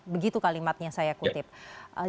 begitu kalimatnya saya lihat